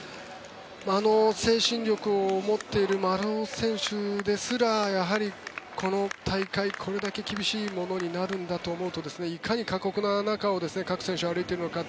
あの精神力を持っている丸尾選手ですらやはり、この大会、これだけ厳しいものになるんだと思うといかに過酷な中を選手が歩いているのかと。